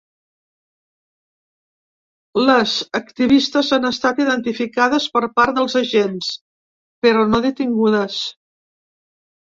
Les activistes han estat identificades per part dels agents, però no detingudes.